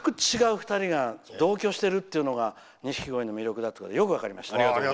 全く違う２人が同居してるというのが錦鯉の魅力だとよく分かりました。